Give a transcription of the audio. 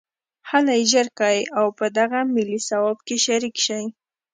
هلئ ژر کوئ او په دغه ملي ثواب کې شریک شئ